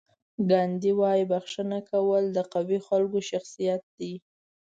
ګاندي وایي بښنه کول د قوي خلکو خصوصیت دی.